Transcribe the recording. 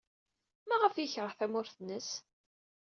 Maɣef ay yekṛeh tamurt-nnes?